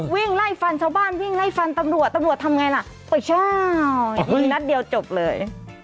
วิ่งไล่ฟันชาวบ้านวิ่งไล่ฟันตำรวจตำรวจทำไงล่ะไม่ใช่ยิงนัดเดียวจบเลย